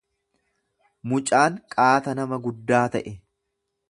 Mucaan qaata nama guddaa ta'e.